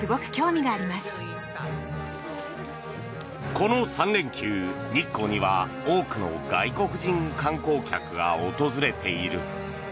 この３連休、日光には多くの外国人観光客が訪れている。